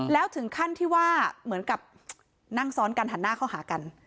แล้วถึงขั้นที่ว่าเหมือนกับนั่งซ้อนกันหันหน้าเข้าหากัน